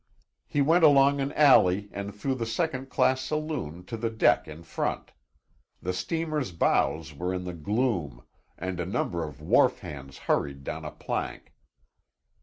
He went along an alley and through the second class saloon to the deck in front. The steamer's bows were in the gloom and a number of wharf hands hurried down a plank.